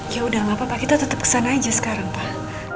ya udah gak apa apa kita tetap kesana aja sekarang pak